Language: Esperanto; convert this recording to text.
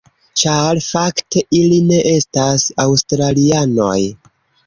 Ĉar fakte, ili ne estas aŭstralianoj.